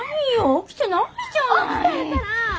起きてるから！